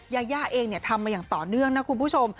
ยาย่าเองทำมาอย่างต่อเนื่องนะคุณผู้ชม